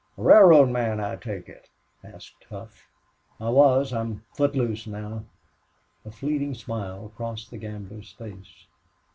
"A railroad man, I take it?" asked Hough. "I was. I'm foot loose now." A fleeting smile crossed the gambler's face.